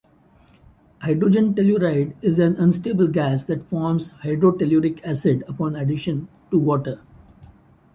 Hydrogen telluride is an unstable gas that forms hydrotelluric acid upon addition to water.